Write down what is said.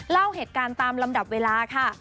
เล่าเหตุการณ์ตามลำดับเวลาค่ะ